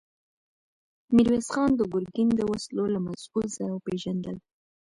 ميرويس خان د ګرګين د وسلو له مسوول سره وپېژندل.